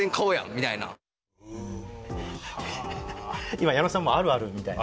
今矢野さんもあるあるみたいな。